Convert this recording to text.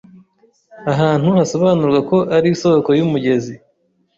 ahantu hasobanurwa ko ari isoko y’umugezi